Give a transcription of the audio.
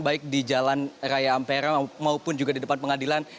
baik di jalan raya ampera maupun juga di depan pengadilan